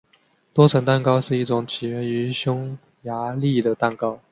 多层蛋糕是一种起源于匈牙利的蛋糕。